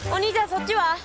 そっちは？